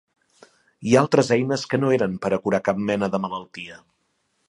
I altres eines que no eren pera curar cap mena de malaltia.